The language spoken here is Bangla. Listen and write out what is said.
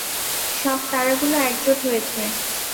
সব তারাগুলো একজোট হয়েছে।